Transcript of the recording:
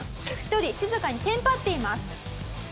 １人静かにテンパっています。